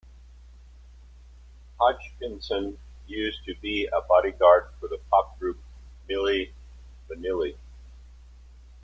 Hodgkinson used to be a bodyguard for the pop group Milli Vanilli.